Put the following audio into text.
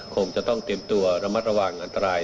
คงจะต้องเตรียมตัวระมัดระวังอันตราย